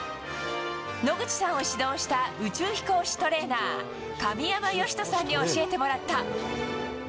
野口さんを指導した宇宙飛行士トレーナー、神山慶人さんに教えてもらった。